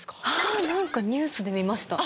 あなんかニュースで見ました。